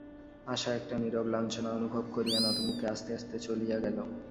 আশা একটা নীরব লাঞ্ছনা অনুভব করিয়া নতমুখে আস্তে আস্তে চলিয়া গেল।